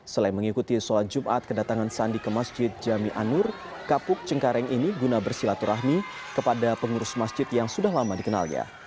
selain mengikuti sholat jumat kedatangan sandi ke masjid jami anur kapuk cengkareng ini guna bersilaturahmi kepada pengurus masjid yang sudah lama dikenalnya